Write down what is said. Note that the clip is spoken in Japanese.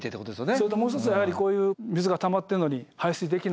それともう一つやはりこういう水がたまってんのに排水できない。